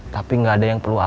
tapi gak ada yang perlu amin